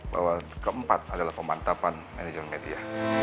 bahwa keempat adalah pemantapan manajemen media